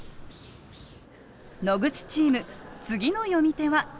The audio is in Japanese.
野口チーム次の詠み手はこの人。